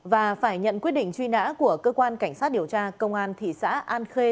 và phải nhận quyết định truy nã của cơ quan cảnh sát điều tra công an thị xã an khê